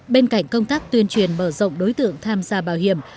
bên cạnh công tác tuyên truyền mở rộng đối tượng tham gia bảo hiểm